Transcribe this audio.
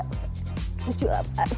terus juga apa